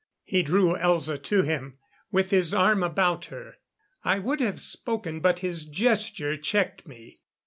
He drew Elza to him, with his arm about her. I would have spoken, but his gesture checked me.